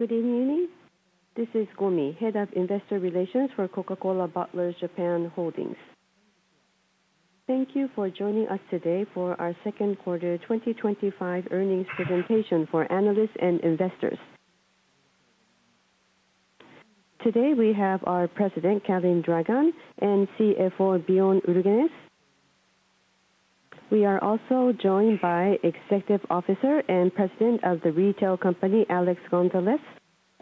Good evening. This is Gomi, Head of Investor Relations for Coca-Cola Bottlers Japan Holdings. Thank you for joining us today for our second quarter 2025 earnings presentation for analysts and investors. Today, we have our President, Calin Dragan, and CFO, Bjorn Ulgenes. We are also joined by Executive Officer and President of the Retail Company, Alex Gonzalez;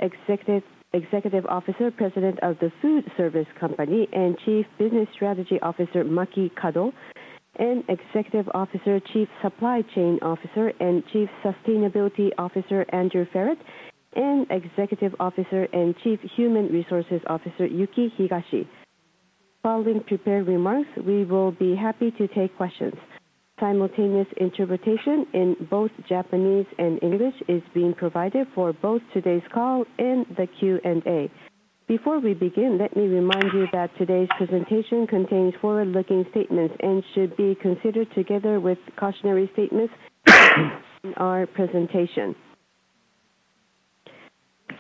Executive Officer, President of the Food Service Company, and Chief Business Strategy Officer, Maki Kado; and Executive Officer, Chief Supply Chain Officer and Chief Sustainability Officer, Andrew Ferrett; and Executive Officer and Chief Human Resources Officer, Yuki Higashi. Following prepared remarks, we will be happy to take questions. Simultaneous interpretation in both Japanese and English is being provided for both today's call and the Q&A. Before we begin, let me remind you that today's presentation contains forward-looking statements and should be considered together with cautionary statements in our presentation.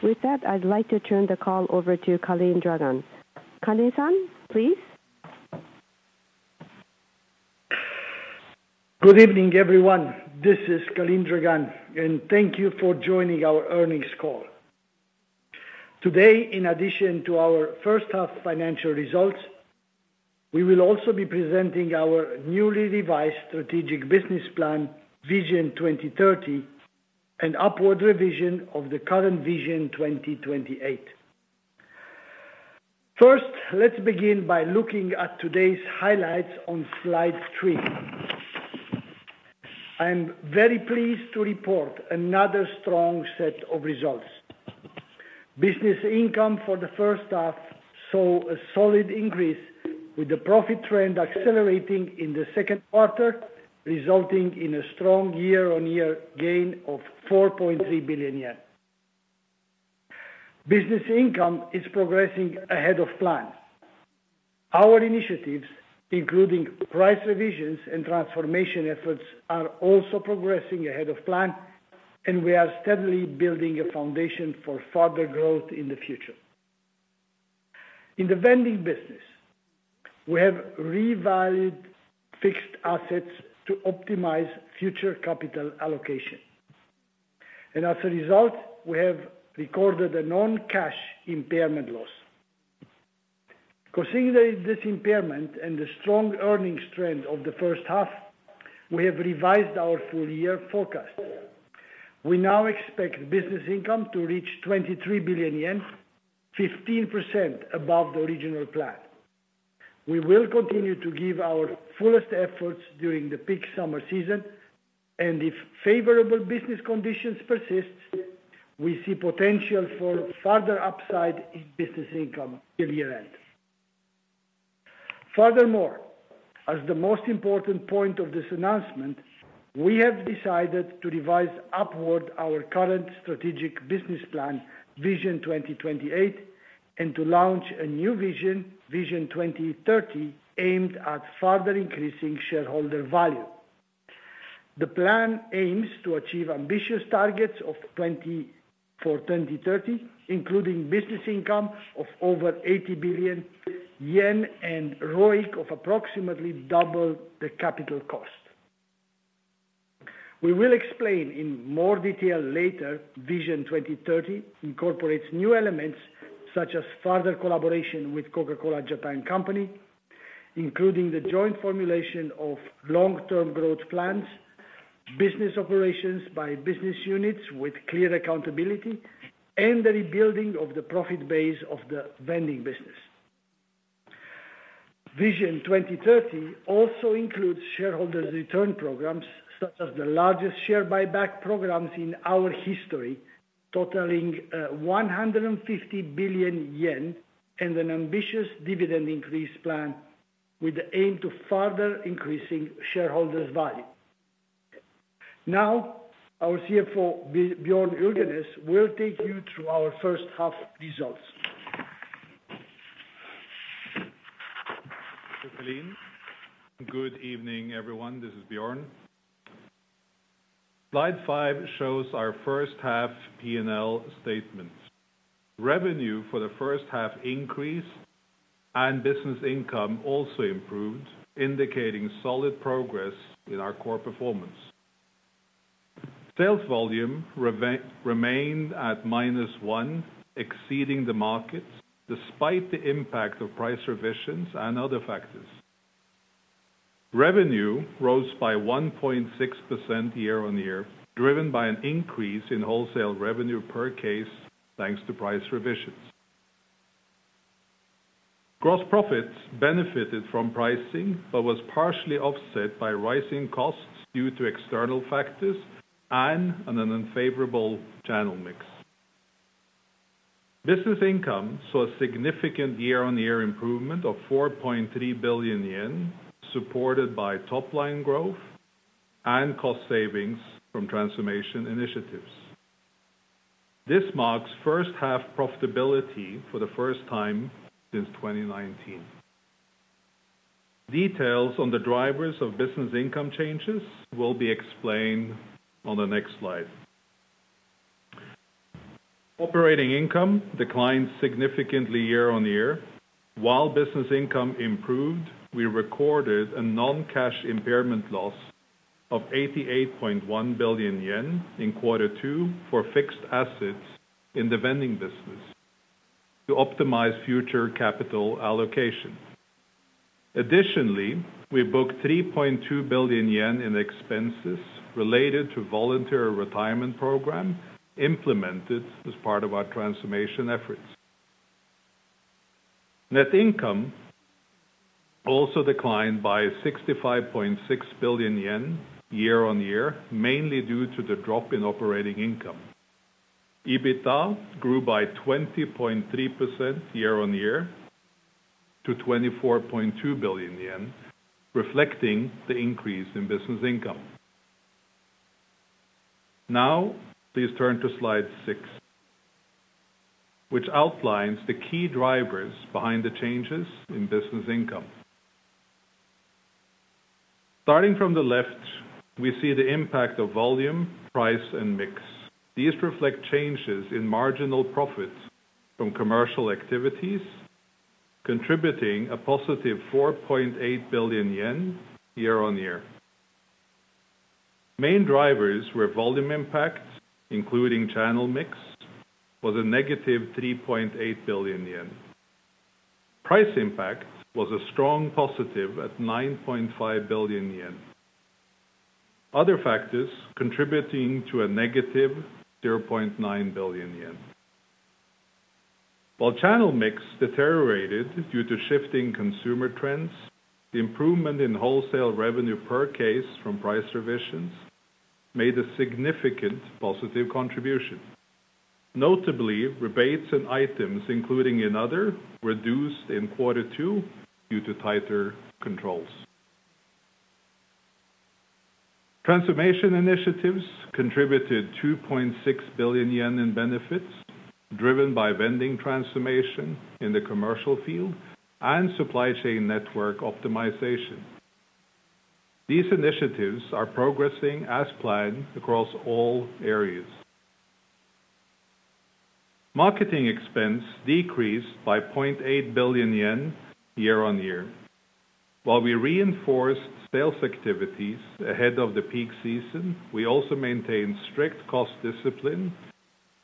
With that, I'd like to turn the call over to Calin Dragan. Calin Dragan, please. Good evening, everyone. This is Calin Dragan, and thank you for joining our earnings call. Today, in addition to our first half financial results, we will also be presenting our newly revised strategic business plan, Vision 2030, and upward revision of the current Vision 2028. First, let's begin by looking at today's highlights on slide three. I am very pleased to report another strong set of results. Business income for the first half saw a solid increase, with the profit trend accelerating in the second quarter, resulting in a strong year-on-year gain of 4.3 billion yen. Business income is progressing ahead of plan. Our initiatives, including price revisions and transformation efforts, are also progressing ahead of plan, and we are steadily building a foundation for further growth in the future. In the vending business, we have revalued fixed assets to optimize future capital allocation. As a result, we have recorded a non-cash impairment loss. Considering this impairment and the strong earnings trend of the first half, we have revised our full-year forecast. We now expect business income to reach 23 billion yen, 15% above the original plan. We will continue to give our fullest efforts during the peak summer season, and if favorable business conditions persist, we see potential for further upside in business income till year end. Furthermore, as the most important point of this announcement, we have decided to revise upward our current strategic business plan, Vision 2028, and to launch a new vision, Vision 2030, aimed at further increasing shareholder value. The plan aims to achieve ambitious targets for 2030, including business income of over 80 billion yen and ROIC of approximately double the capital cost. We will explain in more detail later. Vision 2030 incorporates new elements such as further collaboration with Coca-Cola Japan Company, including the joint formulation of long-term growth plans, business operations by business units with clear accountability, and the rebuilding of the profit base of the vending business. Vision 2030 also includes shareholders' return programs, such as the largest share buyback programs in our history, totaling 150 billion yen, and an ambitious dividend increase plan with the aim to further increase shareholders' value. Now, our CFO, Bjorn Ulgenes, will take you through our first half results. Thank you, Calin. Good evening, everyone. This is Bjorn. Slide five shows our first half P&L statements. Revenue for the first half increased, and business income also improved, indicating solid progress in our core performance. Sales volume remained at -1, exceeding the market despite the impact of price revisions and other factors. Revenue rose by 1.6% year-on-year, driven by an increase in wholesale revenue per case, thanks to price revisions. Gross profits benefited from pricing but were partially offset by rising costs due to external factors and an unfavorable channel mix. Business income saw a significant year-on-year improvement of 4.3 billion yen, supported by top-line growth and cost savings from transformation initiatives. This marks first-half profitability for the first time since 2019. Details on the drivers of business income changes will be explained on the next slide. Operating income declined significantly year-on-year. While business income improved, we recorded a non-cash impairment loss of 88.1 billion yen in quarter two for fixed assets in the vending business to optimize future capital allocation. Additionally, we booked 3.2 billion yen in expenses related to a volunteer retirement program implemented as part of our transformation efforts. Net income also declined by 65.6 billion yen year-on-year, mainly due to the drop in operating income. EBITDA grew by 20.3% year-on-year to 24.2 billion yen, reflecting the increase in business income. Now, please turn to slide six, which outlines the key drivers behind the changes in business income. Starting from the left, we see the impact of volume, price, and mix. These reflect changes in marginal profits from commercial activities, contributing a +JPY 4.8 billion year-on-year. Main drivers were volume impact, including channel mix, which was a -3.8 billion yen. Price impact was a strong positive at 9.5 billion yen. Other factors contributed to a negative 0.9 billion yen. While channel mix deteriorated due to shifting consumer trends, the improvement in wholesale revenue per case from price revisions made a significant positive contribution. Notably, rebates and items included in other were reduced in quarter two due to tighter controls. Transformation initiatives contributed 2.6 billion yen in benefits, driven by vending transformation in the commercial field and supply chain network optimization. These initiatives are progressing as planned across all areas. Marketing expense decreased by 0.8 billion yen year-on-year. While we reinforced sales activities ahead of the peak season, we also maintained strict cost discipline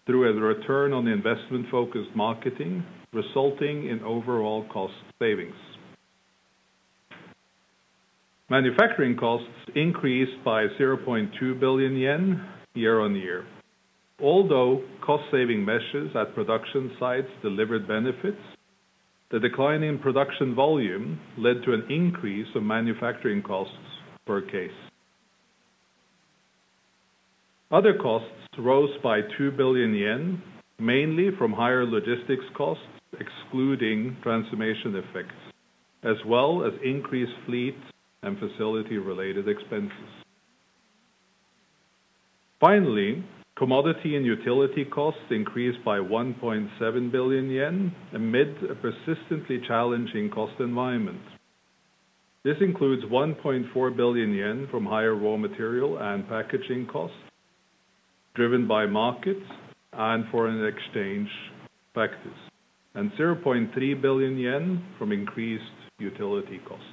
through a return on investment-focused marketing, resulting in overall cost savings. Manufacturing costs increased by 0.2 billion yen year-on-year. Although cost-saving measures at production sites delivered benefits, the decline in production volume led to an increase of manufacturing costs per case. Other costs rose by 2 billion yen, mainly from higher logistics costs excluding transformation effects, as well as increased fleet and facility-related expenses. Finally, commodity and utility costs increased by 1.7 billion yen amid a persistently challenging cost environment. This includes 1.4 billion yen from higher raw material and packaging costs, driven by markets and foreign exchange factors, and 0.3 billion yen from increased utility costs.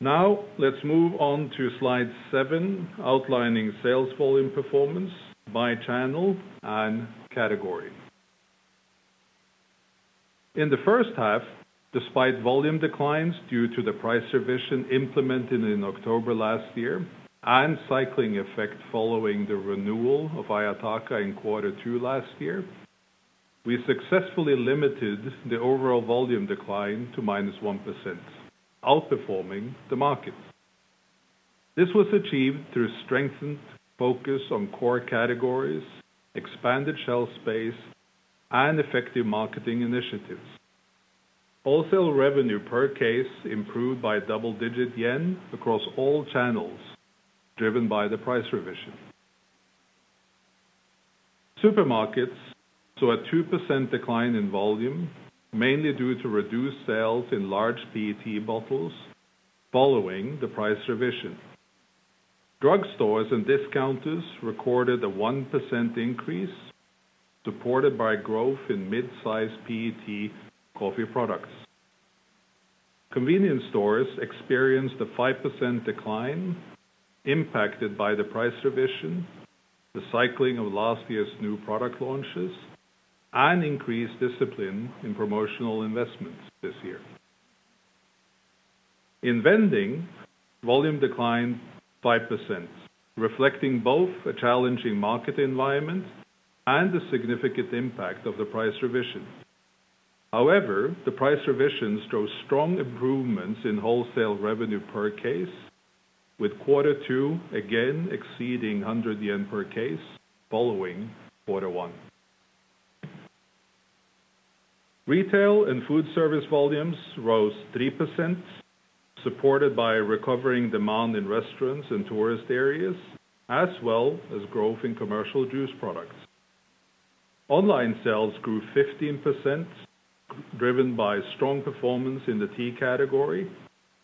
Now, let's move on to slide seven, outlining sales volume performance by channel and category. In the first half, despite volume declines due to the price revision implemented in October last year and cycling effect following the renewal of Ayataka in quarter two last year, we successfully limited the overall volume decline to -1%, outperforming the market. This was achieved through strengthened focus on core categories, expanded shelf space, and effective marketing initiatives. Wholesale revenue per case improved by double-digit yen across all channels, driven by the price revision. Supermarkets saw a 2% decline in volume, mainly due to reduced sales in large PET bottles following the price revision. Drug stores and discounters recorded a 1% increase, supported by growth in mid-size PET coffee products. Convenience stores experienced a 5% decline, impacted by the price revision, the cycling of last year's new product launches, and increased discipline in promotional investments this year. In vending, volume declined 5%, reflecting both a challenging market environment and the significant impact of the price revision. However, the price revisions drove strong improvements in wholesale revenue per case, with quarter two again exceeding 100 yen per case following quarter one. Retail and food service volumes rose 3%, supported by a recovering demand in restaurants and tourist areas, as well as growth in commercial juice products. Online sales grew 15%, driven by strong performance in the tea category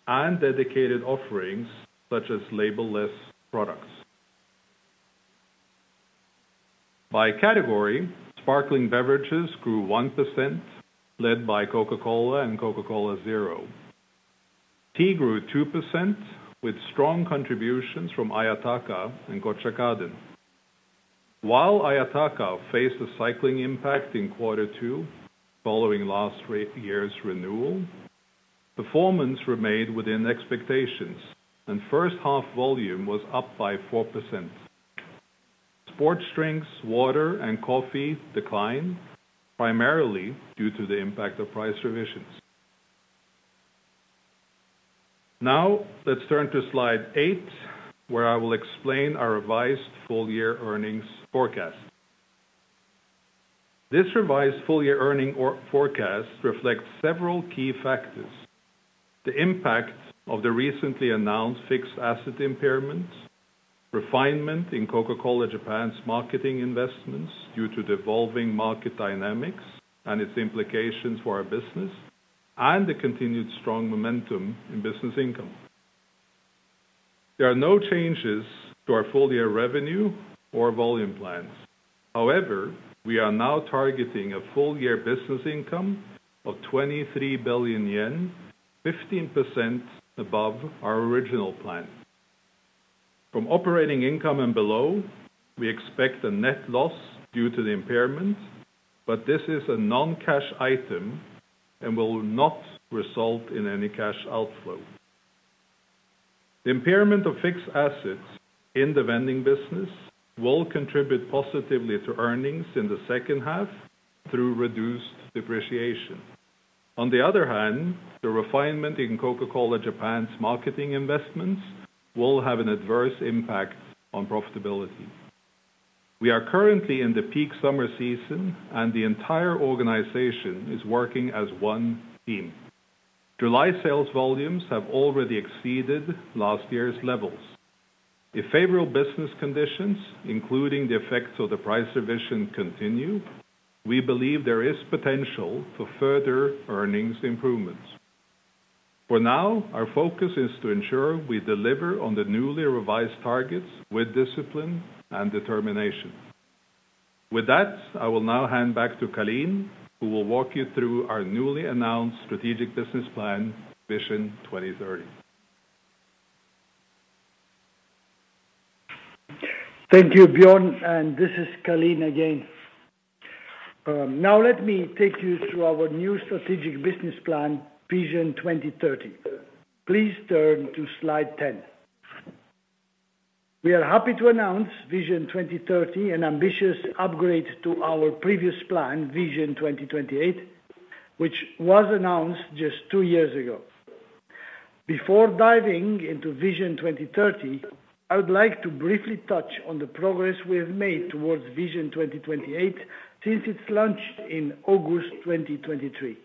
and dedicated offerings such as label-less products. By category, sparkling beverages grew 1%, led by Coca-Cola and Coca-Cola Zero. Tea grew 2%, with strong contributions from Ayataka and Georgia. While Ayataka faced a cycling impact in quarter two following last year's renewal, performance remained within expectations, and first half volume was up by 4%. Sports drinks, water, and coffee declined, primarily due to the impact of price revisions. Now, let's turn to slide eight, where I will explain our revised full-year earnings forecast. This revised full-year earnings forecast reflects several key factors: the impact of the recently announced fixed asset impairment, refinement in Coca-Cola Japan's marketing investments due to the evolving market dynamics and its implications for our business, and the continued strong momentum in business income. There are no changes to our full-year revenue or volume plans. However, we are now targeting a full-year business income of 23 billion yen, 15% above our original plan. From operating income and below, we expect a net loss due to the impairment, but this is a non-cash item and will not result in any cash outflow. The impairment of fixed assets in the vending business will contribute positively to earnings in the second half through reduced depreciation. On the other hand, the refinement in Coca-Cola Japan's marketing investments will have an adverse impact on profitability. We are currently in the peak summer season, and the entire organization is working as one team. July sales volumes have already exceeded last year's levels. If favorable business conditions, including the effects of the price revision, continue, we believe there is potential for further earnings improvements. For now, our focus is to ensure we deliver on the newly revised targets with discipline and determination. With that, I will now hand back to Calin, who will walk you through our newly announced strategic business plan, Vision 2030. Thank you, Bjorn, and this is Calin again. Now, let me take you through our new strategic business plan, Vision 2030. Please turn to slide 10. We are happy to announce Vision 2030, an ambitious upgrade to our previous plan, Vision 2028, which was announced just two years ago. Before diving into Vision 2030, I would like to briefly touch on the progress we have made towards Vision 2028 since its launch in August 2023.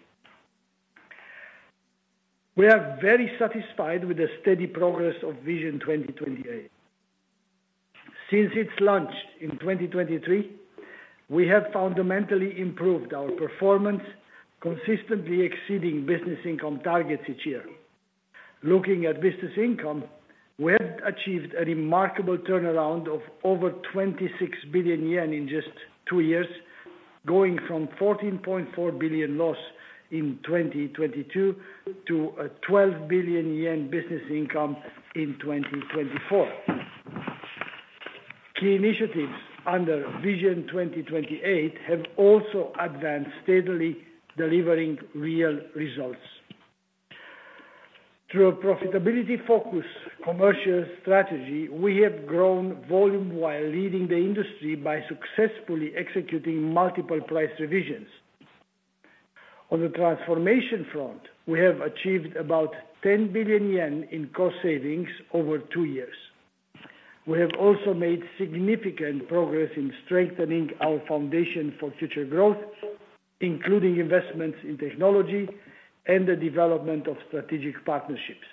We are very satisfied with the steady progress of Vision 2028. Since its launch in 2023, we have fundamentally improved our performance, consistently exceeding business income targets each year. Looking at business income, we have achieved a remarkable turnaround of over 26 billion yen in just two years, going from a 14.4 billion loss in 2022 to a 12 billion yen business income in 2024. Key initiatives under Vision 2028 have also advanced steadily, delivering real results. Through a profitability-focused commercial strategy, we have grown volume while leading the industry by successfully executing multiple price revisions. On the transformation front, we have achieved about 10 billion yen in cost savings over two years. We have also made significant progress in strengthening our foundation for future growth, including investments in technology and the development of strategic partnerships.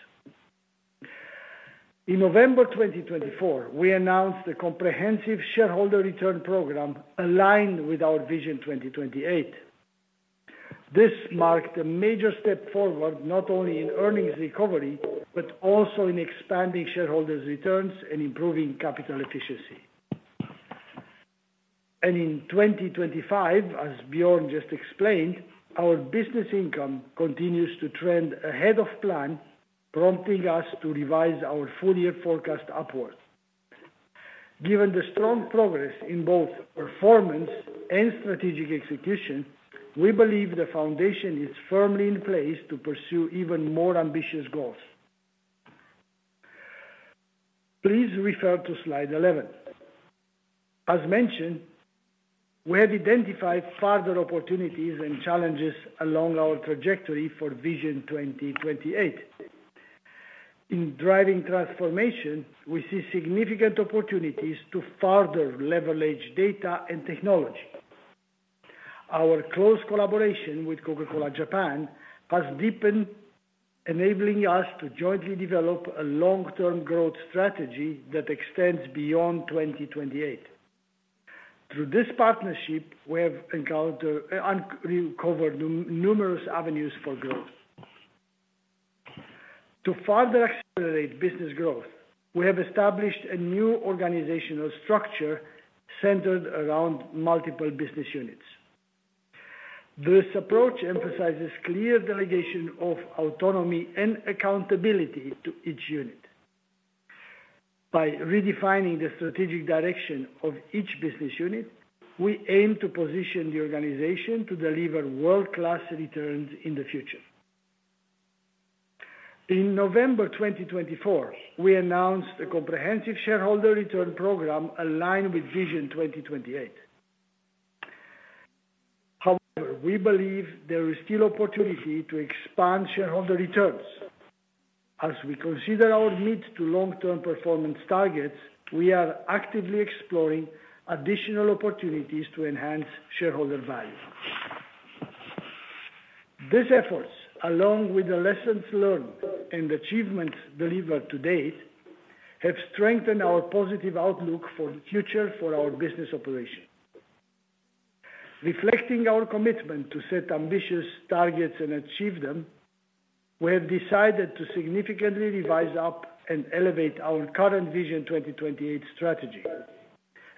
In November 2024, we announced the comprehensive shareholder return program aligned with our Vision 2028. This marked a major step forward, not only in earnings recovery but also in expanding shareholders' returns and improving capital efficiency. In 2025, as Bjorn just explained, our business income continues to trend ahead of plan, prompting us to revise our full-year forecast upward. Given the strong progress in both performance and strategic execution, we believe the foundation is firmly in place to pursue even more ambitious goals. Please refer to slide 11. As mentioned, we have identified further opportunities and challenges along our trajectory for Vision 2028. In driving transformation, we see significant opportunities to further leverage data and technology. Our close collaboration with Coca-Cola Japan has deepened, enabling us to jointly develop a long-term growth strategy that extends beyond 2028. Through this partnership, we have uncovered numerous avenues for growth. To further accelerate business growth, we have established a new organizational structure centered around multiple business units. This approach emphasizes clear delegation of autonomy and accountability to each unit. By redefining the strategic direction of each business unit, we aim to position the organization to deliver world-class returns in the future. In November 2024, we announced a comprehensive shareholder return program aligned with Vision 2028. However, we believe there is still opportunity to expand shareholder returns. As we consider our mid-to-long-term performance targets, we are actively exploring additional opportunities to enhance shareholder value. These efforts, along with the lessons learned and achievements delivered to date, have strengthened our positive outlook for the future for our business operation. Reflecting our commitment to set ambitious targets and achieve them, we have decided to significantly revise up and elevate our current Vision 2028 strategy.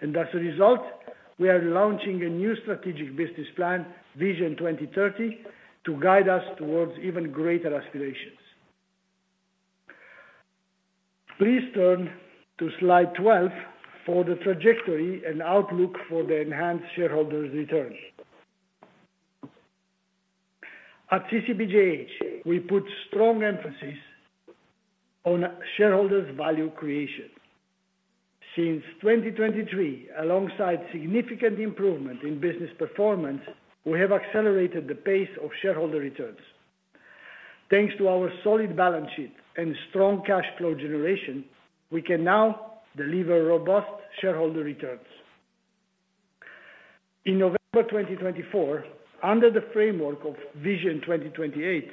As a result, we are launching a new strategic business plan, Vision 2030, to guide us towards even greater aspirations. Please turn to slide 12 for the trajectory and outlook for the enhanced shareholders' return. At CCBJH, we put strong emphasis on shareholders' value creation. Since 2023, alongside significant improvement in business performance, we have accelerated the pace of shareholder returns. Thanks to our solid balance sheet and strong cash flow generation, we can now deliver robust shareholder returns. In November 2024, under the framework of Vision 2028,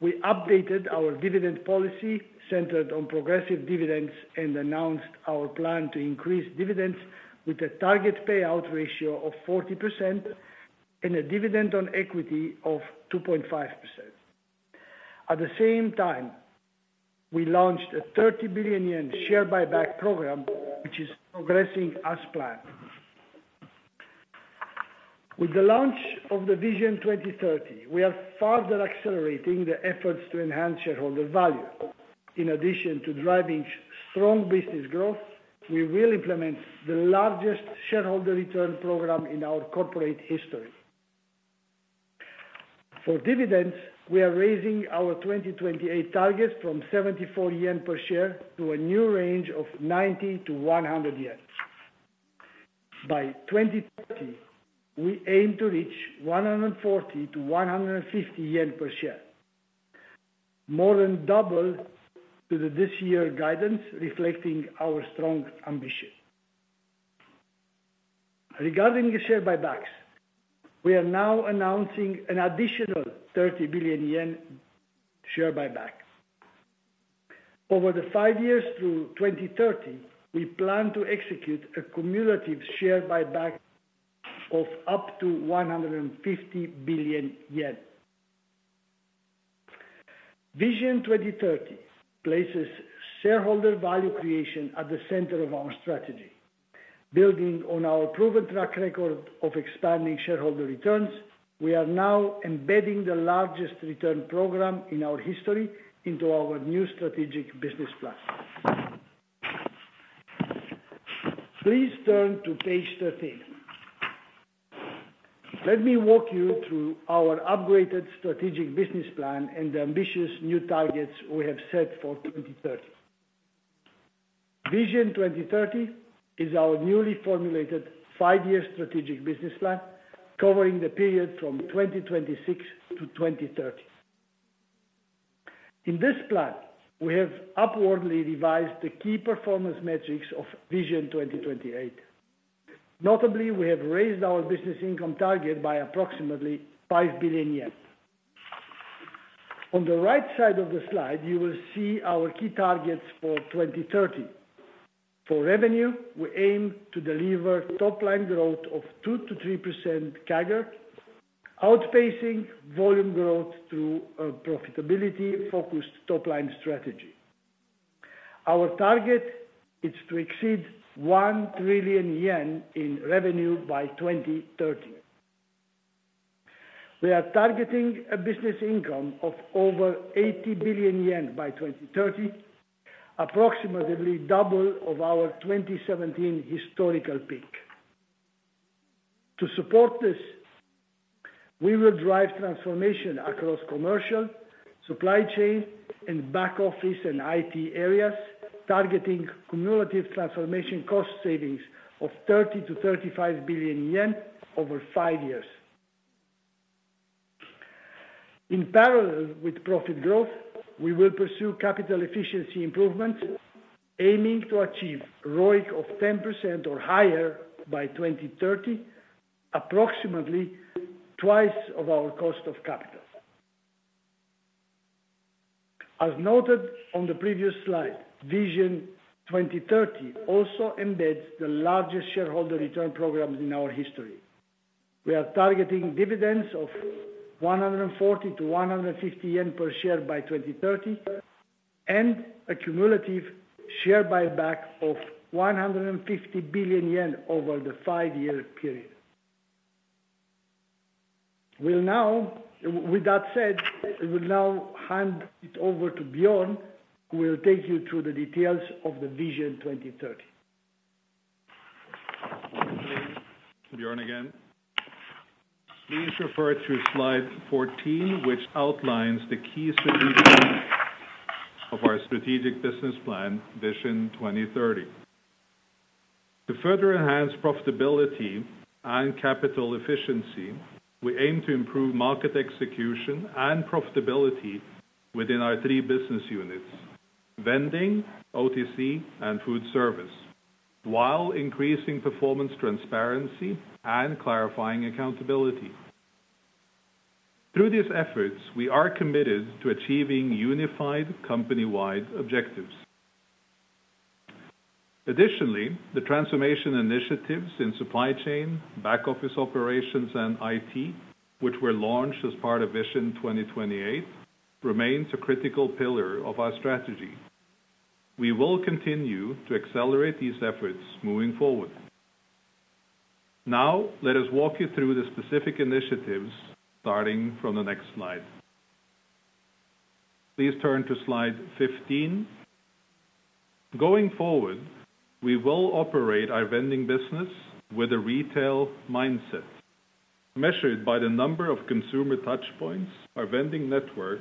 we updated our dividend policy centered on progressive dividends and announced our plan to increase dividends with a target payout ratio of 40% and a dividend on equity of 2.5%. At the same time, we launched a 30 billion yen share buyback program, which is progressing as planned. With the launch of Vision 2030, we are further accelerating the efforts to enhance shareholder value. In addition to driving strong business growth, we will implement the largest shareholder return program in our corporate history. For dividends, we are raising our 2028 targets from 74 yen per share to a new range of 90-100 yen. By 2030, we aim to reach 140-150 yen per share, more than double this year guidance, reflecting our strong ambition. Regarding the share buybacks, we are now announcing an additional 30 billion yen share buyback. Over the five years through 2030, we plan to execute a cumulative share buyback of up to JPY 150 billion. Vision 2030 places shareholder value creation at the center of our strategy. Building on our proven track record of expanding shareholder returns, we are now embedding the largest return program in our history into our new strategic business plan. Please turn to page 13. Let me walk you through our upgraded strategic business plan and the ambitious new targets we have set for 2030. Vision 2030 is our newly formulated five-year strategic business plan, covering the period from 2026 to 2030. In this plan, we have upwardly revised the key performance metrics of Vision 2028. Notably, we have raised our business income target by approximately 5 billion yen. On the right side of the slide, you will see our key targets for 2030. For revenue, we aim to deliver top-line growth of 2%-3% CAGR, outpacing volume growth through a profitability-focused top-line strategy. Our target is to exceed 1 trillion yen in revenue by 2030. We are targeting a business income of over 80 billion yen by 2030, approximately double of our 2017 historical peak. To support this, we will drive transformation across commercial, supply chain, and back-office and IT areas, targeting cumulative transformation cost savings of 30 billion-35 billion yen over five years. In parallel with profit growth, we will pursue capital efficiency improvements, aiming to achieve ROIC of 10% or higher by 2030, approximately twice of our cost of capital. As noted on the previous slide, Vision 2030 also embeds the largest shareholder return programs in our history. We are targeting dividends of 140-150 yen per share by 2030 and a cumulative share buyback of 150 billion yen over the five-year period. With that said, I will now hand it over to Bjorn, who will take you through the details of the Vision 2030. Thank you, Calin. Bjorn again. Please refer to slide 14, which outlines the key strategic pillars of our strategic business plan, Vision 2030. To further enhance profitability and capital efficiency, we aim to improve market execution and profitability within our three business units: vending, OTC, and food service, while increasing performance transparency and clarifying accountability. Through these efforts, we are committed to achieving unified company-wide objectives. Additionally, the transformation initiatives in supply chain, back-office operations, and IT, which were launched as part of Vision 2028, remain a critical pillar of our strategy. We will continue to accelerate these efforts moving forward. Now, let us walk you through the specific initiatives, starting from the next slide. Please turn to slide 15. Going forward, we will operate our vending business with a retail mindset. Measured by the number of consumer touchpoints, our vending network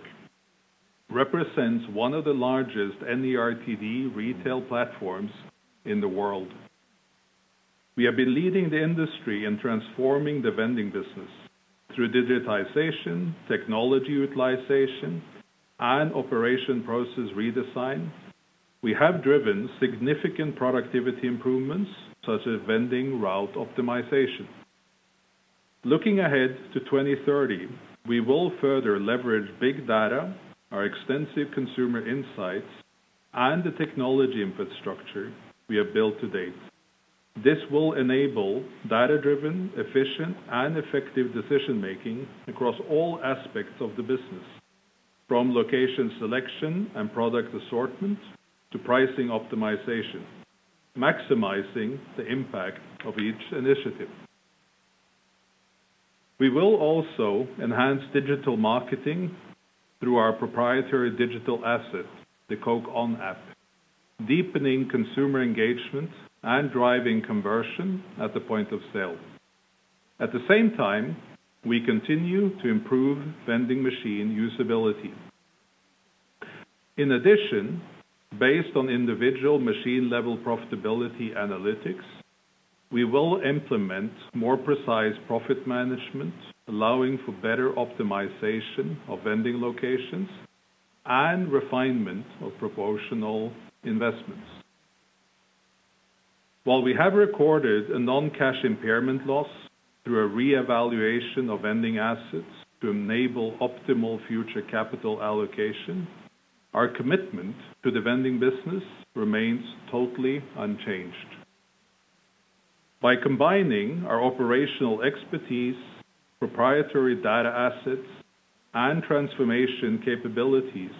represents one of the largest NERTD retail platforms in the world. We have been leading the industry in transforming the vending business. Through digitization, technology utilization, and operation process redesign, we have driven significant productivity improvements, such as vending route optimization. Looking ahead to 2030, we will further leverage big data, our extensive consumer insights, and the technology infrastructure we have built to date. This will enable data-driven, efficient, and effective decision-making across all aspects of the business, from location selection and product assortment to pricing optimization, maximizing the impact of each initiative. We will also enhance digital marketing through our proprietary digital asset, the Coke ON App, deepening consumer engagement and driving conversion at the point of sale. At the same time, we continue to improve vending machine usability. In addition, based on individual machine-level profitability analytics, we will implement more precise profit management, allowing for better optimization of vending locations and refinement of proportional investments. While we have recorded a non-cash impairment loss through a reevaluation of vending assets to enable optimal future capital allocation, our commitment to the vending business remains totally unchanged. By combining our operational expertise, proprietary data assets, and transformation capabilities,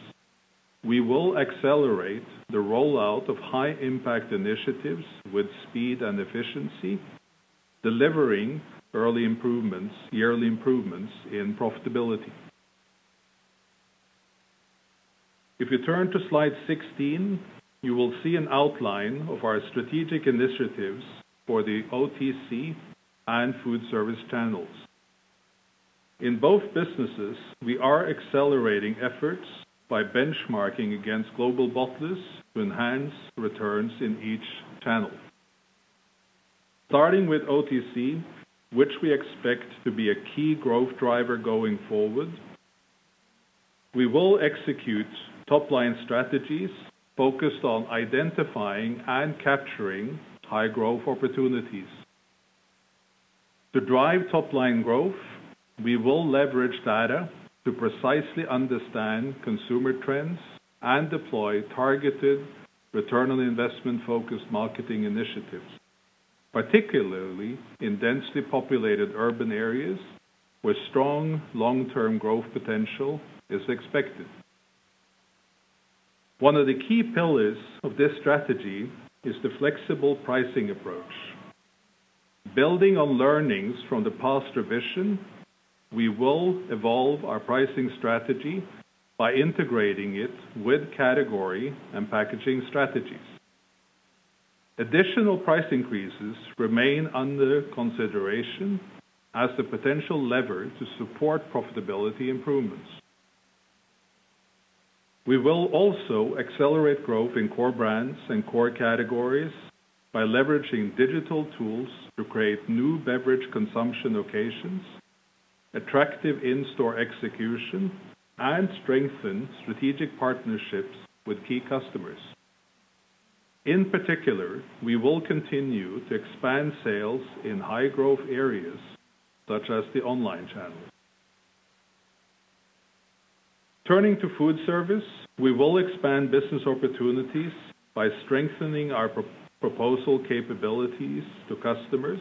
we will accelerate the rollout of high-impact initiatives with speed and efficiency, delivering early improvements, yearly improvements in profitability. If you turn to slide 16, you will see an outline of our strategic initiatives for the OTC and Food Service channels. In both businesses, we are accelerating efforts by benchmarking against global bottlers to enhance returns in each channel. Starting with OTC, which we expect to be a key growth driver going forward, we will execute top-line strategies focused on identifying and capturing high growth opportunities. To drive top-line growth, we will leverage data to precisely understand consumer trends and deploy targeted return on investment-focused marketing initiatives, particularly in densely populated urban areas where strong long-term growth potential is expected. One of the key pillars of this strategy is the flexible pricing approach. Building on learnings from the past revision, we will evolve our pricing strategy by integrating it with category and packaging strategies. Additional price increases remain under consideration as a potential lever to support profitability improvements. We will also accelerate growth in core brands and core categories by leveraging digital tools to create new beverage consumption locations, attractive in-store execution, and strengthen strategic partnerships with key customers. In particular, we will continue to expand sales in high-growth areas such as the online channels. Turning to food service, we will expand business opportunities by strengthening our proposal capabilities to customers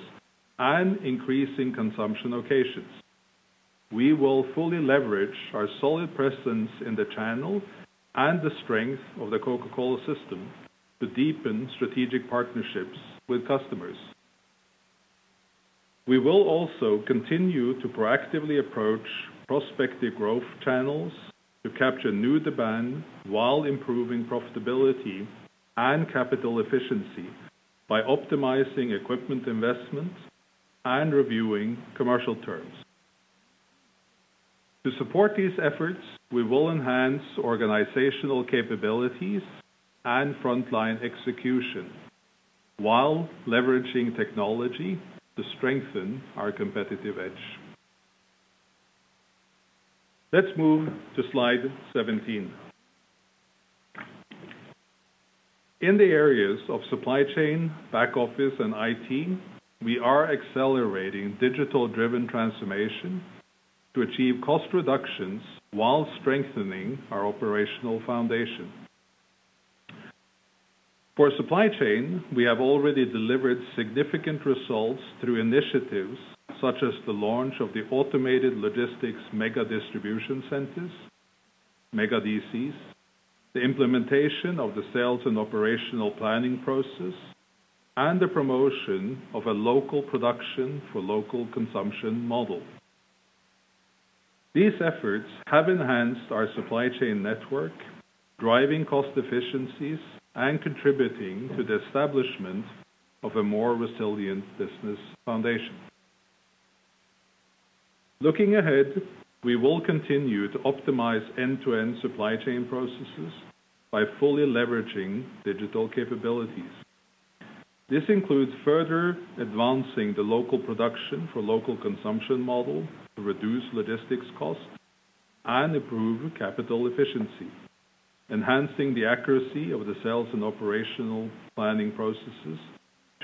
and increasing consumption locations. We will fully leverage our solid presence in the channel and the strength of the Coca-Cola system to deepen strategic partnerships with customers. We will also continue to proactively approach prospective growth channels to capture new demand while improving profitability and capital efficiency by optimizing equipment investment and reviewing commercial terms. To support these efforts, we will enhance organizational capabilities and front-line execution while leveraging technology to strengthen our competitive edge. Let's move to slide 17. In the areas of supply chain, back office, and IT, we are accelerating digital-driven transformation to achieve cost reductions while strengthening our operational foundation. For supply chain, we have already delivered significant results through initiatives such as the launch of the automated logistics mega distribution centers, MegaDCs, the implementation of the sales and operational planning process, and the promotion of a local production for local consumption model. These efforts have enhanced our supply chain network, driving cost efficiencies and contributing to the establishment of a more resilient business foundation. Looking ahead, we will continue to optimize end-to-end supply chain processes by fully leveraging digital capabilities. This includes further advancing the local production for local consumption model to reduce logistics costs and improve capital efficiency, enhancing the accuracy of the sales and operational planning processes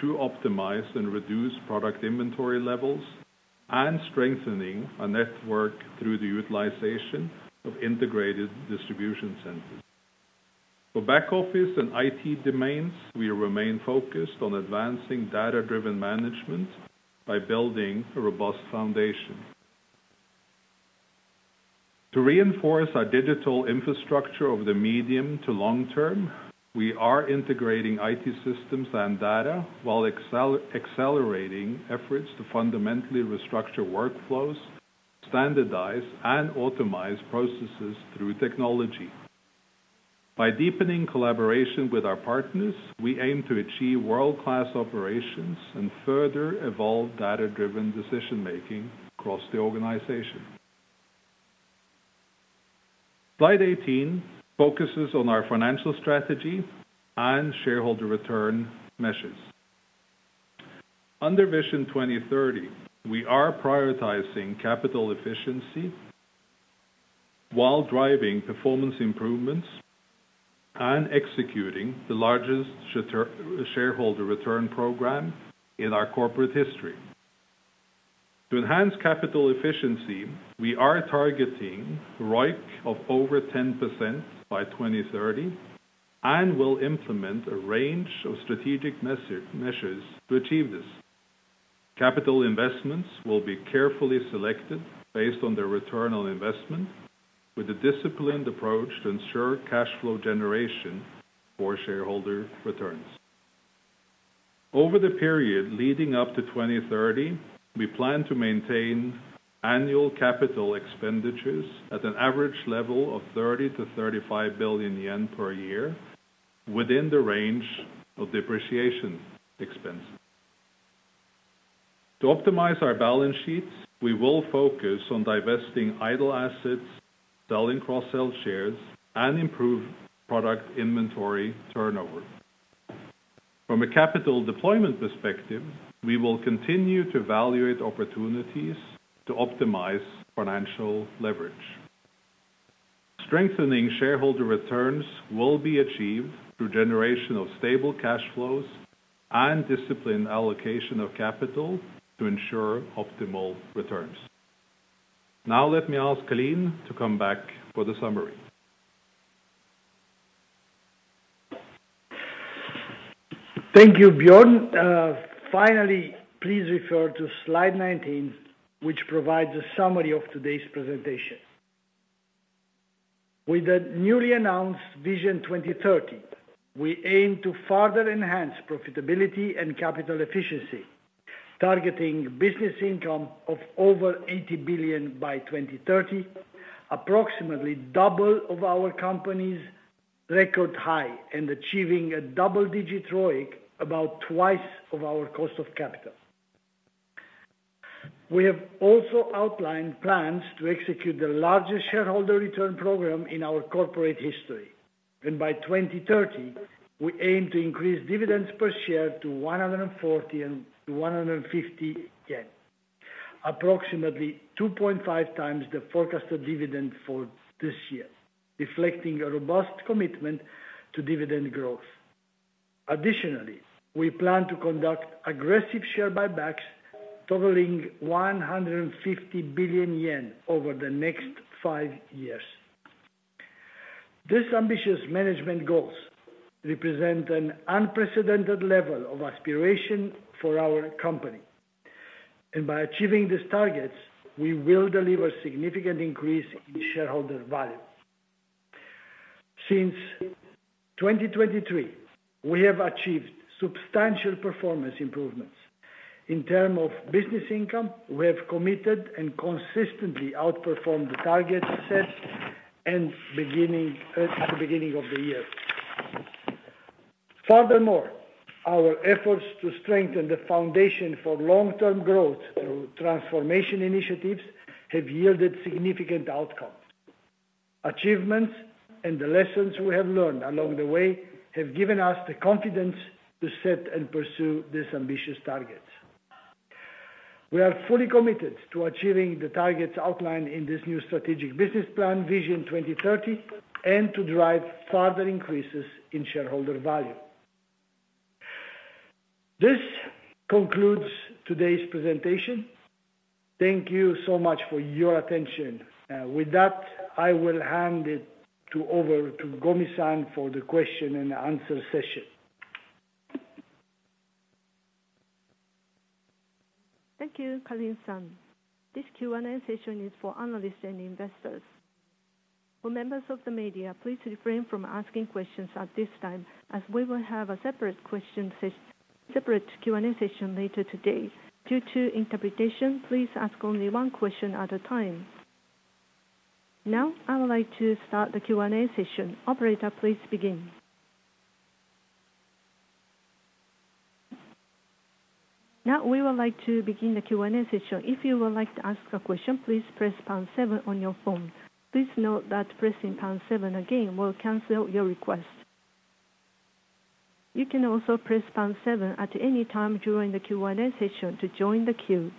to optimize and reduce product inventory levels, and strengthening our network through the utilization of integrated distribution centers. For back office and IT domains, we remain focused on advancing data-driven management by building a robust foundation. To reinforce our digital infrastructure over the medium to long term, we are integrating IT systems and data while accelerating efforts to fundamentally restructure workflows, standardize, and optimize processes through technology. By deepening collaboration with our partners, we aim to achieve world-class operations and further evolve data-driven decision-making across the organization. Slide 18 focuses on our financial strategy and shareholder return measures. Under Vision 2030, we are prioritizing capital efficiency while driving performance improvements and executing the largest shareholder return program in our corporate history. To enhance capital efficiency, we are targeting ROIC of over 10% by 2030 and will implement a range of strategic measures to achieve this. Capital investments will be carefully selected based on their return on investment, with a disciplined approach to ensure cash flow generation for shareholder returns. Over the period leading up to 2030, we plan to maintain annual capital expenditures at an average level of 30 billion-35 billion yen per year within the range of depreciation expenses. To optimize our balance sheets, we will focus on divesting idle assets, selling cross-sell shares, and improving product inventory turnover. From a capital deployment perspective, we will continue to evaluate opportunities to optimize financial leverage. Strengthening shareholder returns will be achieved through generation of stable cash flows and disciplined allocation of capital to ensure optimal returns. Now, let me ask Calin to come back for the summary. Thank you, Bjorn. Finally, please refer to slide 19, which provides a summary of today's presentation. With the newly announced Vision 2030, we aim to further enhance profitability and capital efficiency, targeting business income of over 80 billion by 2030, approximately double our company's record high, and achieving a double-digit ROIC, about twice our cost of capital. We have also outlined plans to execute the largest shareholder return program in our corporate history, and by 2030, we aim to increase dividends per share to 140-150 yen, approximately 2.5x the forecasted dividend for this year, reflecting a robust commitment to dividend growth. Additionally, we plan to conduct aggressive share buybacks totaling JPY1 50 billion over the next five years. These ambitious management goals represent an unprecedented level of aspiration for our company, and by achieving these targets, we will deliver a significant increase in shareholder value. Since 2023, we have achieved substantial performance improvements. In terms of business income, we have committed and consistently outperformed the targets set at the beginning of the year. Furthermore, our efforts to strengthen the foundation for long-term growth through transformation initiatives have yielded significant outcomes. Achievements and the lessons we have learned along the way have given us the confidence to set and pursue these ambitious targets. We are fully committed to achieving the targets outlined in this new strategic business plan, Vision 2030, and to drive further increases in shareholder value. This concludes today's presentation. Thank you so much for your attention. With that, I will hand it over to Gomi-san for the question and answer session. Thank you, Calin-san. This Q&A session is for analysts and investors. For members of the media, please refrain from asking questions at this time, as we will have a separate Q&A session later today. Due to interpretation, please ask only one question at a time. Now, I would like to start the Q&A session. Operator, please begin. Now, we would like to begin the Q&A session. If you would like to ask a question, please press pound seven on your phone. Please note that pressing pound seven again will cancel your request. You can also press pound seven at any time during the Q&A session to join the queue.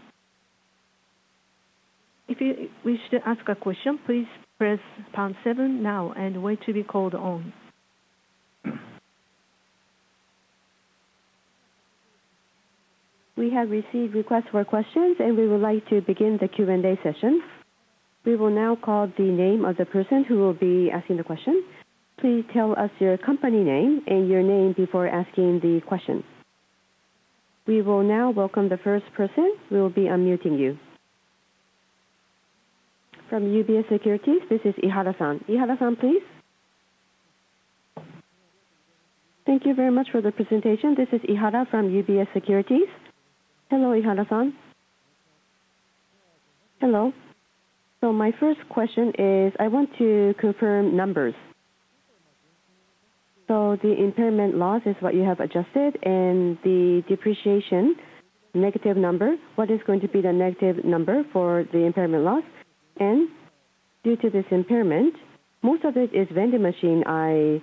If you wish to ask a question, please press pound seven now and wait to be called on. We have received requests for questions, and we would like to begin the Q&A session. We will now call the name of the person who will be asking the question. Please tell us your company name and your name before asking the question. We will now welcome the first person. We will be unmuting you. From UBS Securities, this is Ihara-san. Ihara-san, please. Thank you very much for the presentation. This is Ihara-san, UBS Securities. Hello, Ihara-san. Hello. My first question is, I want to confirm numbers. The impairment loss is what you have adjusted, and the depreciation, negative number. What is going to be the negative number for the impairment loss? Due to this impairment, most of it is vending machines, I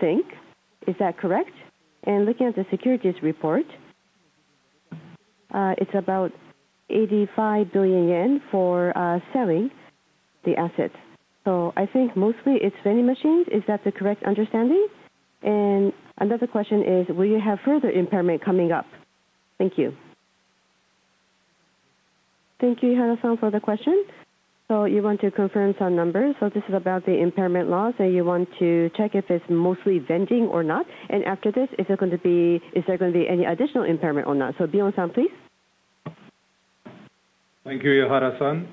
think. Is that correct? Looking at the securities report, it's about 85 billion yen for selling the assets. I think mostly it's vending machines. Is that the correct understanding? Another question is, will you have further impairment coming up? Thank you. Thank you, Ihara-san, for the question. You want to confirm some numbers. This is about the impairment loss, and you want to check if it's mostly vending or not. After this, is there going to be any additional impairment or not? Bjorn-san, please. Thank you, Ihara-san.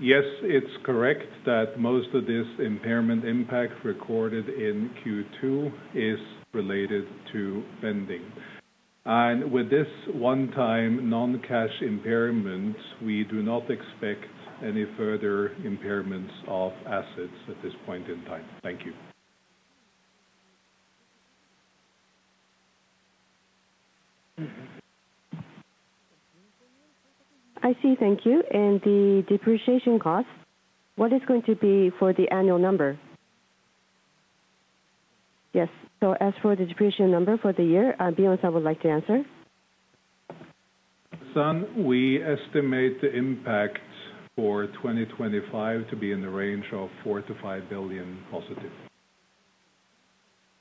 Yes, it's correct that most of this impairment impact recorded in Q2 is related to vending. With this one-time non-cash impairment, we do not expect any further impairments of assets at this point in time. Thank you. I see. Thank you. The depreciation cost, what is going to be for the annual number? Yes, as for the depreciation number for the year, Bjorn-san, would you like to answer? San, we estimate the impact for 2025 to be in the range of 4 billion-JPY5 billion, positive.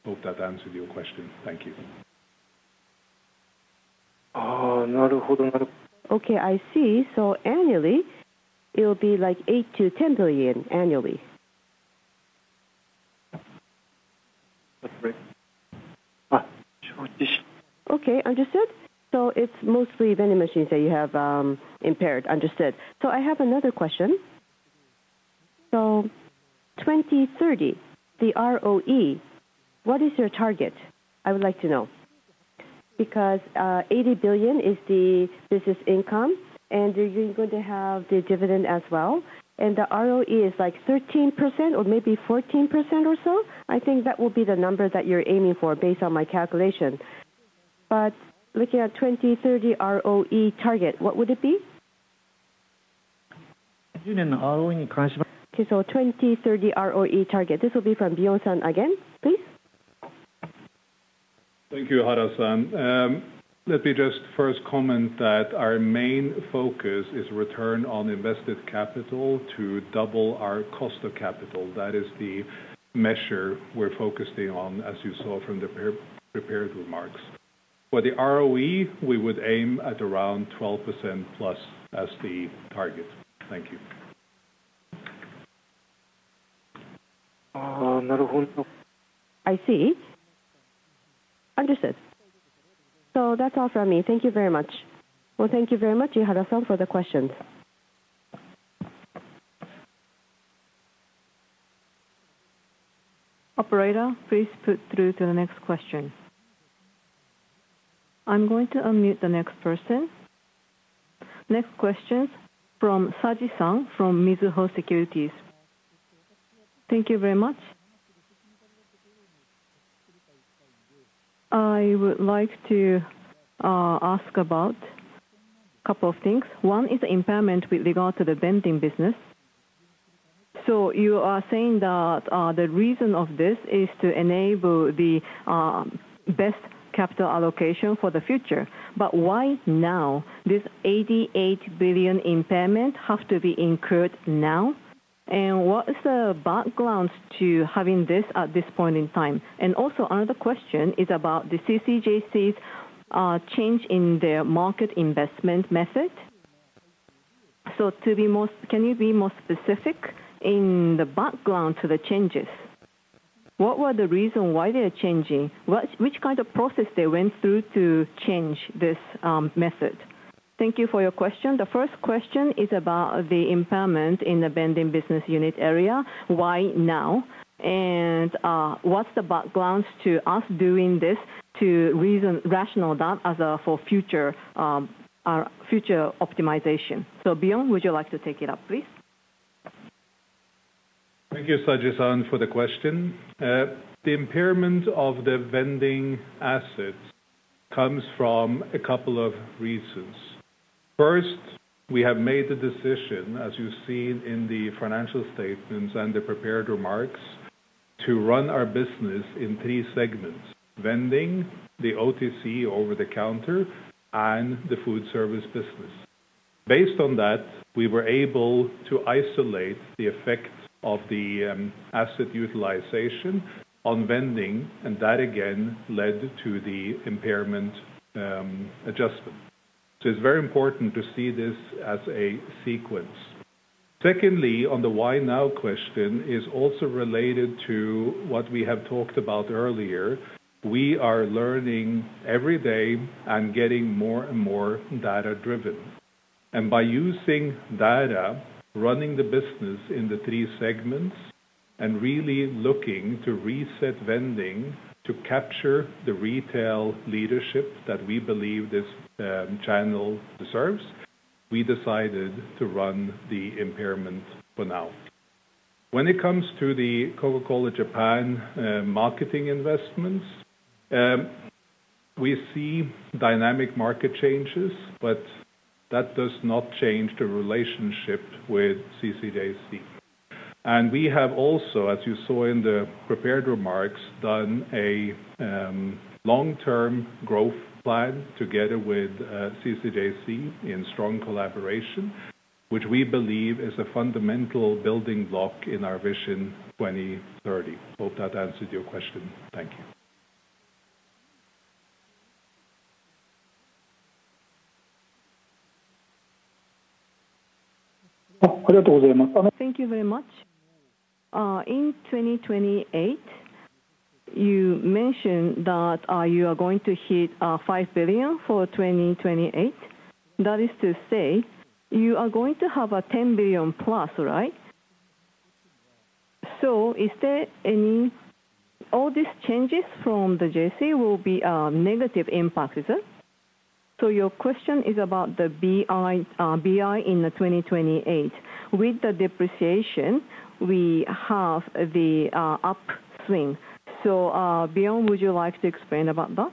Hope that answered your question. Thank you. Okay. I see. Annually, it will be like 8 billion-10 billion annually. Okay. Understood. It is mostly vending machines that you have impaired. Understood. I have another question. For 2030, the ROE, what is your target? I would like to know. Because 80 billion is the business income, and you're going to have the dividend as well. The ROE is like 13% or maybe 14% or so. I think that will be the number that you're aiming for based on my calculation. Looking at the 2030 ROE target, what would it be? 2030 ROE target, this will be from Bjorn-san again, please. Thank you, Ihara-san. Let me just first comment that our main focus is return on invested capital to double our cost of capital. That is the measure we're focusing on, as you saw from the prepared remarks. For the ROE, we would aim at around 12%+ as the target. Thank you. I see. Understood. That's all from me. Thank you very much. Thank you very much, Ihara-san, for the questions. Operator, please put through to the next question. I'm going to unmute the next person. Next question is from Saji-san from Mizuho Securities. Thank you very much. I would like to ask about a couple of things. One is the impairment with regard to the vending business. You are saying that the reason for this is to enable the best capital allocation for the future. Why now? This 88 billion impairment has to be incurred now. What is the background to having this at this point in time? Another question is about the CCJC's change in their market investment method. Can you be more specific in the background to the changes? What were the reasons why they are changing? Which kind of process did they go through to change this method? Thank you for your question. The first question is about the impairment in the vending business unit area. Why now? What's the background to us doing this to rationalize that for future optimization? Bjorn, would you like to take it up, please? Thank you, Saji-san, for the question. The impairment of the vending assets comes from a couple of reasons. First, we have made the decision, as you've seen in the financial statements and the prepared remarks, to run our business in three segments: Vending, the OTC, over-the-counter, and the Food Service business. Based on that, we were able to isolate the effect of the asset utilization on Vending, and that again led to the impairment adjustment. It is very important to see this as a sequence. Secondly, on the why now question, it is also related to what we have talked about earlier. We are learning every day and getting more and more data-driven. By using data, running the business in the three segments, and really looking to reset Vending to capture the retail leadership that we believe this channel deserves, we decided to run the impairment for now. When it comes to the Coca-Cola Japan marketing investments, we see dynamic market changes, but that does not change the relationship with CCJC. We have also, as you saw in the prepared remarks, done a long-term growth plan together with CCJC in strong collaboration, which we believe is a fundamental building block in our Vision 2030. Hope that answered your question. Thank you. Thank you very much. In 2028, you mentioned that you are going to hit 5 billion for 2028. That is to say, you are going to have a 10 billion+ right? Is there any, all these changes from the JC, will be negative impacts? Your question is about the business income in 2028. With the depreciation, we have the upswing. Bjorn, would you like to explain about that?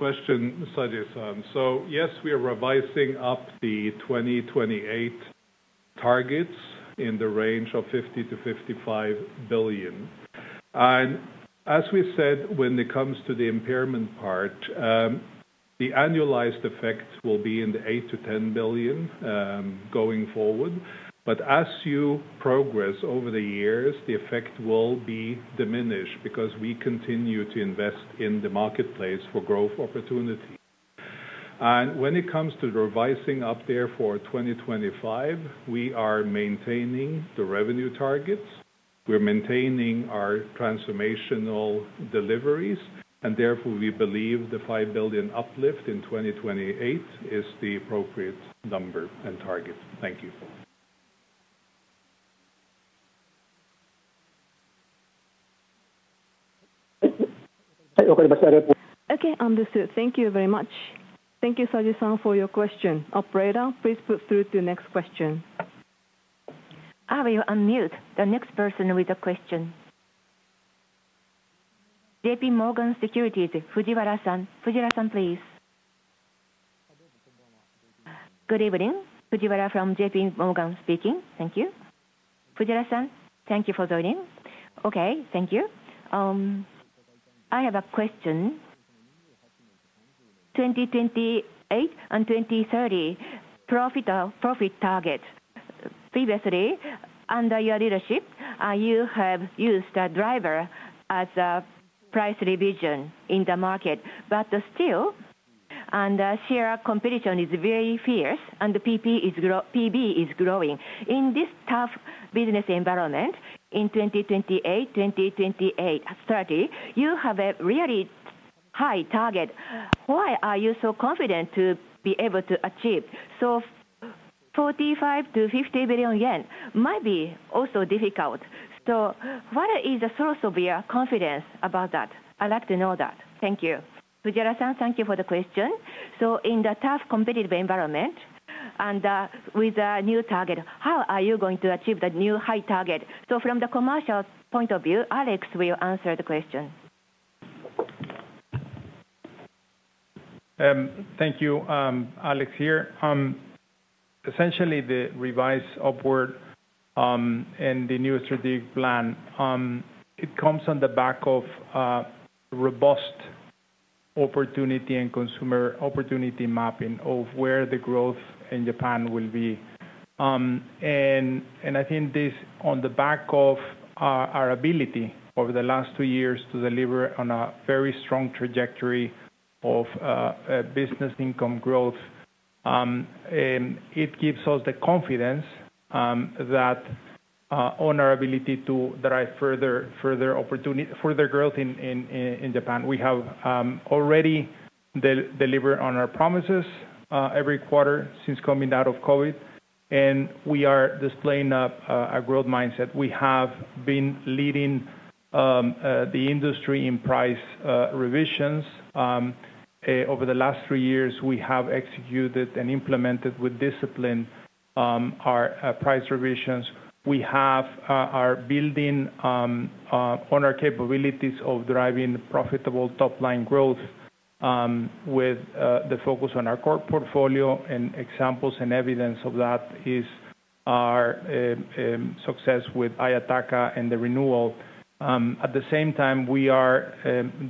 Yes, we are revising up the 2028 targets in the range of 50 billion-55 billion. As we said, when it comes to the impairment part, the annualized effect will be in the 8 billion-10 billion range going forward. As you progress over the years, the effect will be diminished because we continue to invest in the marketplace for growth opportunities. When it comes to revising up there for 2025, we are maintaining the revenue targets. We're maintaining our transformational deliveries, and therefore, we believe the 5 billion uplift in 2028 is the appropriate number and target. Thank you. Okay. Understood. Thank you very much. Thank you, Saji-san, for your question. Operator, please put through to the next question. I will unmute the next person with a question. JPMorgan, Fujiwara-san. Fujiwara-san, please. Good evening. Fujiwara from JPMorgan speaking. Thank you. Fujiwara-san, thank you for joining. Okay. Thank you. I have a question. 2028 and 2030, profit target. Previously, under your leadership, you have used a driver as a price revision in the market. Still, the share competition is very fierce, and the PB is growing. In this tough business environment, in 2028, 2030, you have a really high target. Why are you so confident to be able to achieve? 45 billion-50 billion yen might be also difficult. What is the source of your confidence about that? I'd like to know that. Thank you. Fujiwara-san, thank you for the question. In the tough competitive environment and with a new target, how are you going to achieve that new high target? From the commercial point of view, Alex will answer the question. Thank you. Alex here. Essentially, the revised upward and the new strategic plan, it comes on the back of robust opportunity and consumer opportunity mapping of where the growth in Japan will be. I think this on the back of our ability over the last two years to deliver on a very strong trajectory of business income growth, it gives us the confidence that on our ability to drive further growth in Japan. We have already delivered on our promises every quarter since coming out of COVID, and we are displaying a growth mindset. We have been leading the industry in price revisions. Over the last three years, we have executed and implemented with discipline our price revisions. We are building on our capabilities of driving profitable top-line growth with the focus on our core portfolio. Examples and evidence of that is our success with Ayataka and the renewal. At the same time, we are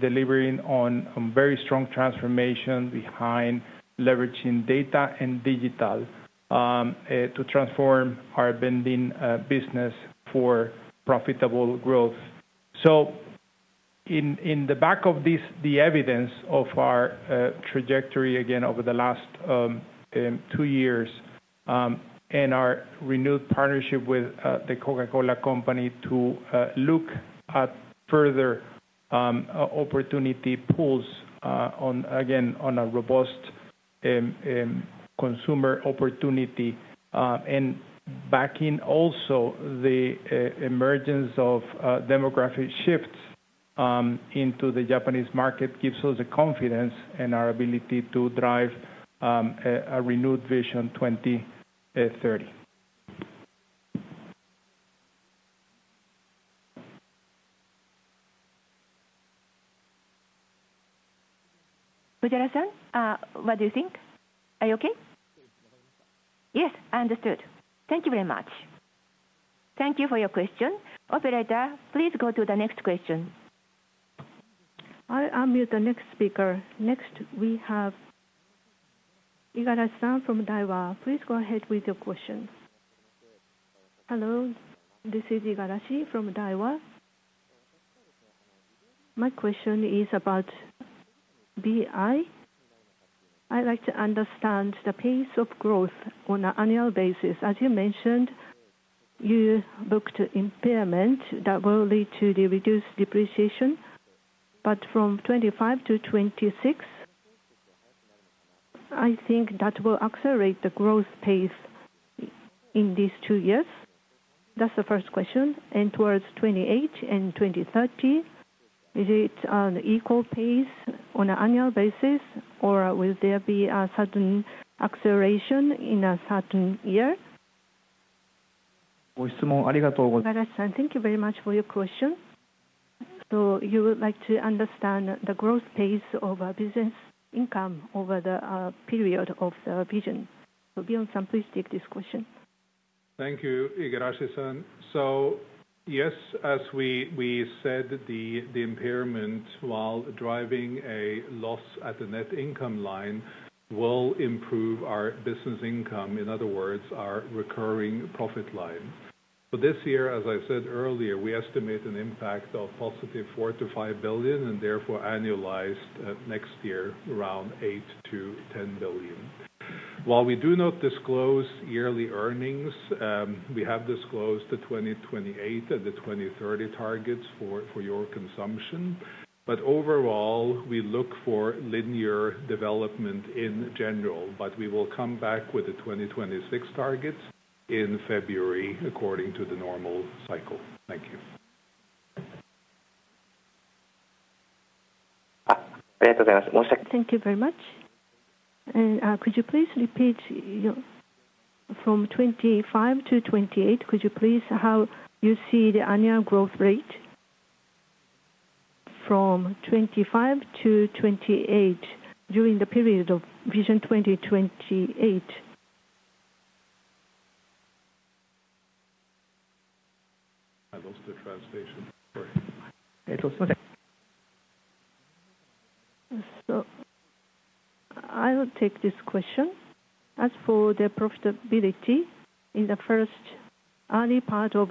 delivering on very strong transformation behind leveraging data and digital to transform our vending business for profitable growth. In the back of this, the evidence of our trajectory again over the last two years and our renewed partnership with the Coca-Cola Company to look at further opportunity pools on, again, on a robust consumer opportunity. Backing also the emergence of demographic shifts into the Japanese market gives us the confidence and our ability to drive a renewed Vision 2030. Fujiwara-san, what do you think? Are you okay? Yes, I understood. Thank you very much. Thank you for your question. Operator, please go to the next question. I'll unmute the next speaker. Next, we have Igarashi-san from Daiwa. Please go ahead with your question. Hello. This is Igarashi from Daiwa. My question is about BI. I'd like to understand the pace of growth on an annual basis. As you mentioned, you booked impairment that will lead to the reduced depreciation. From 2025-2026, I think that will accelerate the growth pace in these two years. That's the first question. Towards 2028 and 2030, is it an equal pace on an annual basis, or will there be a sudden acceleration in a certain year? Igarashi-san, thank you very much for your question. You would like to understand the growth pace of business income over the period of the vision. Bjorn-san, please take this question. Thank you, Igarashi-san. As we said, the impairment while driving a loss at the net income line will improve our business income, in other words, our recurring profit line. For this year, as I said earlier, we estimate an impact of positive 4 billion-5 billion, and therefore annualized next year around 8 billion-10 billion. While we do not disclose yearly earnings, we have disclosed the 2028 and the 2030 targets for your consumption. Overall, we look for linear development in general. We will come back with the 2026 targets in February, according to the normal cycle. Thank you. Thank you very much. Could you please repeat from 2025-2028? Could you please say how you see the annual growth rate from 2025-2028 during the period of Vision 2028? I will take this question. As for the profitability in the early part of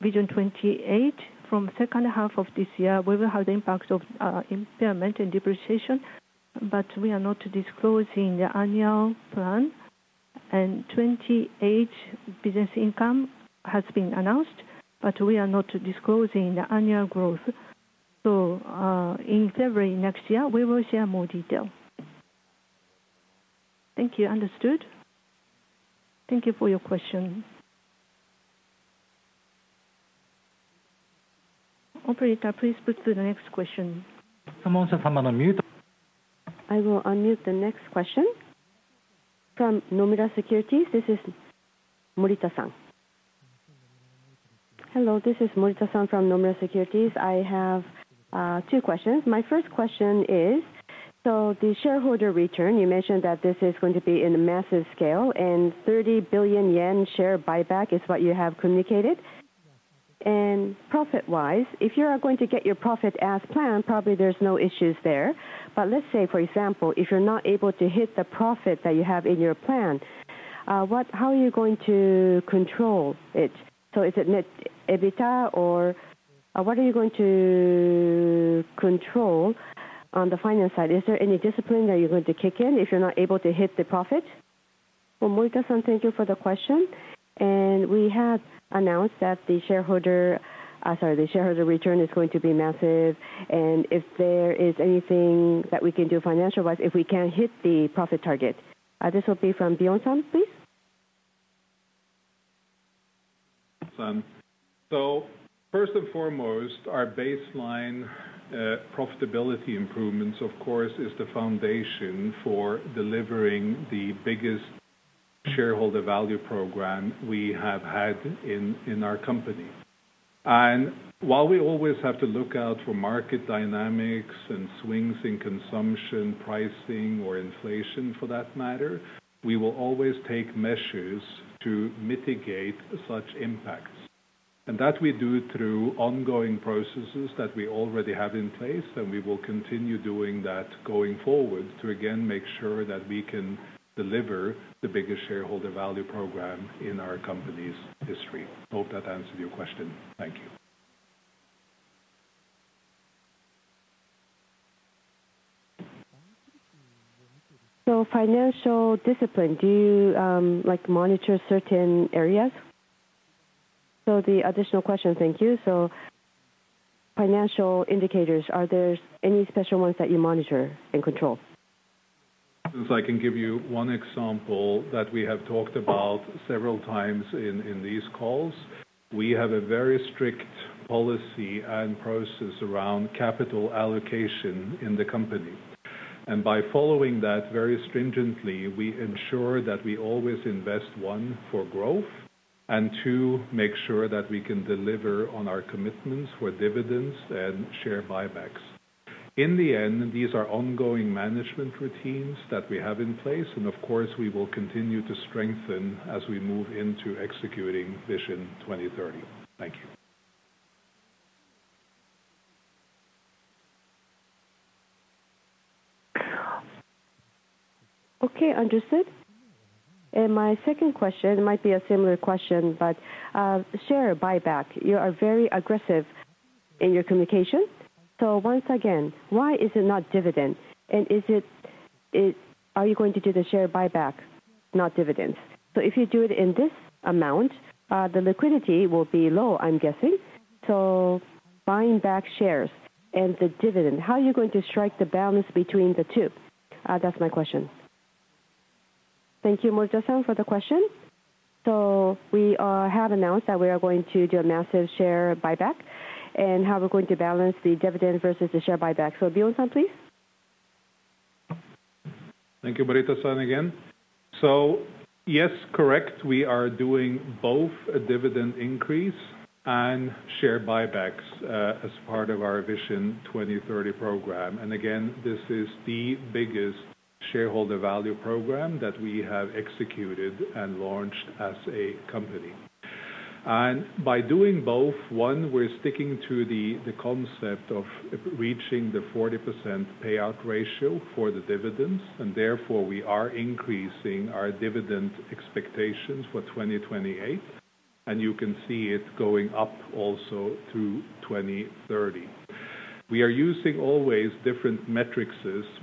Vision 2028, from the second half of this year, we will have the impact of impairment and depreciation, but we are not disclosing the annual plan. The 2028 business income has been announced, but we are not disclosing the annual growth. In February next year, we will share more detail. Thank you. Understood. Thank you for your question. Operator, please put through the next question. I will unmute the next question. From Nomura Securities, this is Morita-san. Hello, this is Morita-san from Nomura Securities. I have two questions. My first question is, the shareholder return, you mentioned that this is going to be in a massive scale, and 30 billion yen share buyback is what you have communicated. Profit-wise, if you are going to get your profit as planned, probably there's no issues there. For example, if you're not able to hit the profit that you have in your plan, how are you going to control it? Is it net EBITDA or what are you going to control on the finance side? Is there any discipline that you're going to kick in if you're not able to hit the profit? Morita-san, thank you for the question. We have announced that the shareholder return is going to be massive. If there is anything that we can do financial-wise if we can't hit the profit target, this will be from Bjorn-san, please. First and foremost, our baseline profitability improvements, of course, is the foundation for delivering the biggest shareholder value program we have had in our company. While we always have to look out for market dynamics and swings in consumption, pricing, or inflation for that matter, we will always take measures to mitigate such impacts. We do that through ongoing processes that we already have in place, and we will continue doing that going forward to again make sure that we can deliver the biggest shareholder value program in our company's history. Hope that answered your question. Thank you. Financial discipline, do you monitor certain areas? The additional question, thank you. Financial indicators, are there any special ones that you monitor and control? Since I can give you one example that we have talked about several times in these calls, we have a very strict policy and process around capital allocation in the company. By following that very stringently, we ensure that we always invest, one, for growth, and two, make sure that we can deliver on our commitments for dividends and share buybacks. In the end, these are ongoing management routines that we have in place, and of course, we will continue to strengthen as we move into executing Vision 2030. Thank you. Okay. Understood. My second question might be a similar question, but share buyback, you are very aggressive in your communication. Once again, why is it not dividend? Are you going to do the share buyback, not dividends? If you do it in this amount, the liquidity will be low, I'm guessing. Buying back shares and the dividend, how are you going to strike the balance between the two? That's my question. Thank you, Morita-san, for the question. We have announced that we are going to do a massive share buyback and how we're going to balance the dividend versus the share buyback. Bjorn-san, please. Thank you, Morita-san, again. Yes, correct, we are doing both a dividend increase and share buybacks as part of our Vision 2030 program. This is the biggest shareholder value program that we have executed and launched as a company. By doing both, we're sticking to the concept of reaching the 40% payout ratio for the dividends, and therefore we are increasing our dividend expectations for 2028. You can see it going up also through 2030. We are using always different metrics,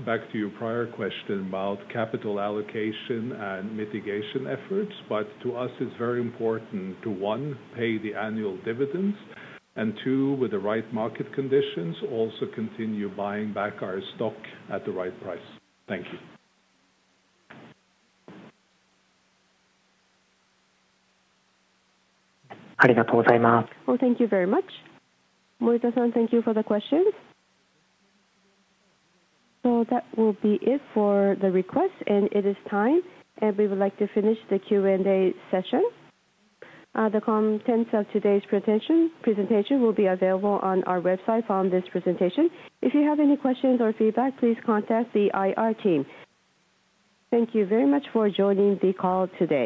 back to your prior question about capital allocation and mitigation efforts. To us, it's very important to, one, pay the annual dividends, and two, with the right market conditions, also continue buying back our stock at the right price. Thank you. Thank you very much. Morita-san, thank you for the question. That will be it for the request, and it is time, and we would like to finish the Q&A session. The contents of today's presentation will be available on our website found in this presentation. If you have any questions or feedback, please contact the IR team. Thank you very much for joining the call today.